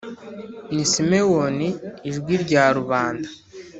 Ni Simeon, Ijwi Rya Rubanda.